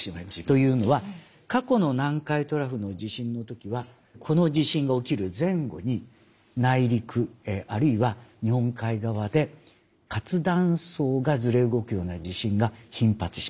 というのは過去の南海トラフの地震の時はこの地震が起きる前後に内陸あるいは日本海側で活断層がずれ動くような地震が頻発します。